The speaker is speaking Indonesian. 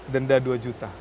denda dua juta